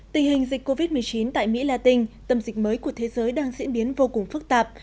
tình hình dịch covid một mươi chín tại mỹ latin tâm dịch mới của thế giới đang diễn biến vô cùng phức tạp